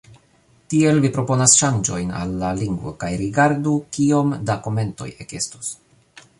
Tiel, vi proponas ŝanĝojn al la lingvo, kaj rigardu kiom da komentoj ekestos.